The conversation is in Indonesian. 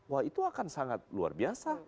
wah itu akan sangat luar biasa